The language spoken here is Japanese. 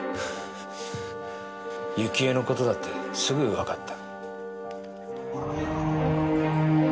雪江の事だってすぐわかった。